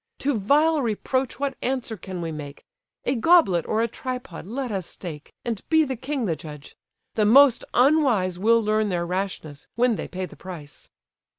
To vile reproach what answer can we make? A goblet or a tripod let us stake, And be the king the judge. The most unwise Will learn their rashness, when they pay the price."